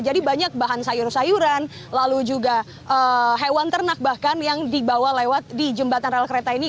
jadi banyak bahan sayur sayuran lalu juga hewan ternak bahkan yang dibawa lewat di jembatan rel kereta ini